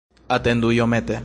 Atendu iomete!